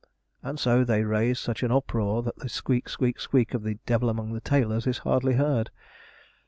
And so they raise such an uproar that the squeak, squeak, squeak of the 'Devil among the tailors' is hardly heard.